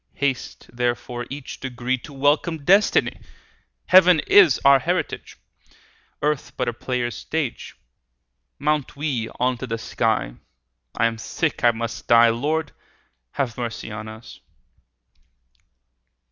35 Haste therefore each degree To welcome destiny; Heaven is our heritage, Earth but a player's stage. Mount we unto the sky; 40 I am sick, I must die— Lord, have mercy on us!